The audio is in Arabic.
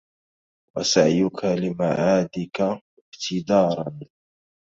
وَسَعْيُك لِمَعَادِك ابْتِدَارًا